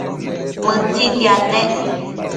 Mëtsitiad nec